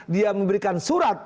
dia memberikan surat